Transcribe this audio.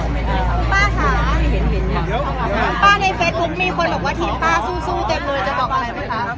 เราถึงต้องเขียนนะฮะเขียนไว้เลยแล้วต้องใส่ร้ายนะฮะโอเค